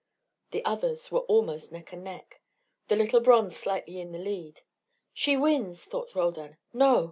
The others were almost neck and neck, the little bronze slightly in the lead. "She wins," thought Roldan, "No!